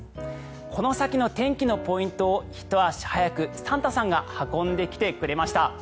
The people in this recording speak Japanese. この先の天気のポイントをひと足早くサンタさんが運んできてくれました。